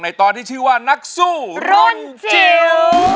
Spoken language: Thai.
ตอนที่ชื่อว่านักสู้รุ่นจิ๋ว